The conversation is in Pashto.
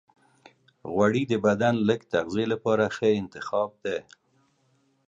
غوړې د بدن د لږ تغذیې لپاره ښه انتخاب دی.